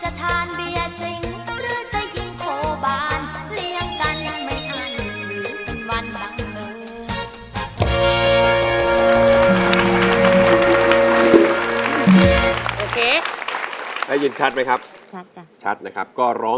จะทานเบียดสิงหรือจะยิงโภบาลเลี้ยงกันไม่อาลืมหรือเป็นวันบังเกิน